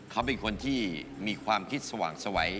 เขาเป็นคนที่มีความคิดสว่างสวัย